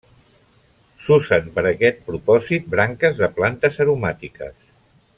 S'usen per a aquest propòsit branques de plantes aromàtiques.